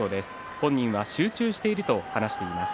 本人は集中しているという話をしています。